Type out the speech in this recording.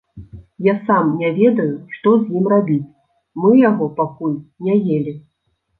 Я сам не ведаю, што з ім рабіць, мы яго пакуль не елі.